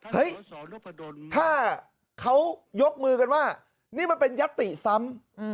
เฮ้ยถ้าเขายกมือกันว่านี่มันเป็นยัตติซ้ำ